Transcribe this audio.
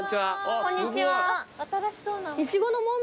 こんにちは。